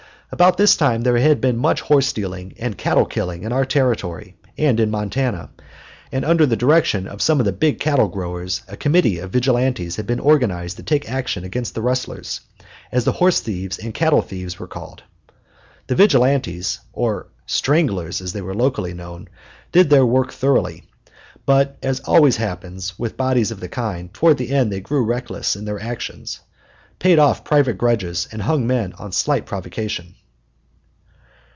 About this time there had been much horse stealing and cattle killing in our Territory and in Montana, and under the direction of some of the big cattle growers a committee of vigilantes had been organized to take action against the rustlers, as the horse thieves and cattle thieves were called. The vigilantes, or stranglers, as they were locally known, did their work thoroughly; but, as always happens with bodies of the kind, toward the end they grew reckless in their actions, paid off private grudges, and hung men on slight provocation.